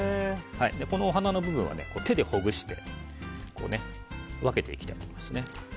このお花の部分は手でほぐして分けていきたいと思います。